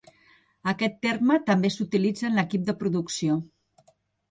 Aquest terme també s'utilitza en l'equip de producció.